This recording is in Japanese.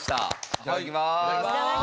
いただきます！